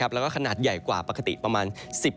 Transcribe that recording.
แล้วก็ขนาดใหญ่กว่าปกติประมาณ๑๐